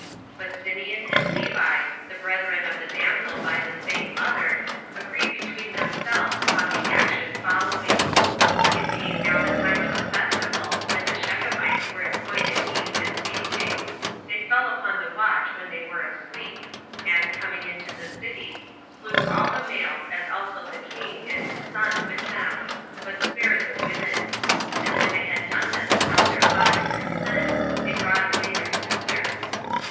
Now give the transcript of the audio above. But Simeon and Levi, the brethren of the damsel by the same mother, agreed between themselves upon the action following: It being now the time of a festival, when the Shechemites were employed in ease and feasting, they fell upon the watch when they were asleep, and, coming into the city, slew all the males 38 as also the king, and his son, with them; but spared the women. And when they had done this without their father's consent, they brought away their sister.